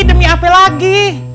demi apa lagi